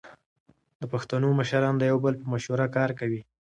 د پښتنو مشران د یو بل په مشوره کار کوي.